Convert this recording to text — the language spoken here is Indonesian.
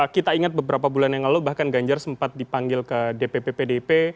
kita ingat beberapa bulan yang lalu bahkan ganjar sempat dipanggil ke dpp pdip